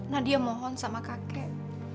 nadia mohon sama kakek